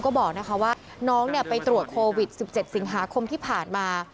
ก็บอกนะคะว่าน้องไปตรวจโควิด๑๗สิงหาคมที่ผ่านมา